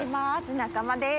仲間です。